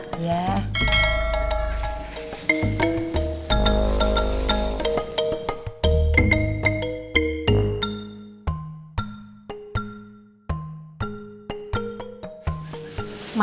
sebentar ya mak